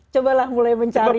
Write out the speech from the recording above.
cobalah mulai berbicara